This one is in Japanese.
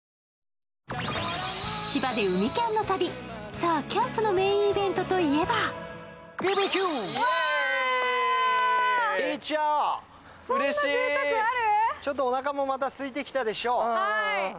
さあ、キャンプのメインイベントといえばちょっとおなかもまた空いてきたでしょう。